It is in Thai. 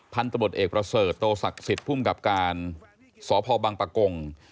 พันธบทเอกประเสริฐโตศักดิ์สิทธิ์ภูมิกับการสพบังปะกง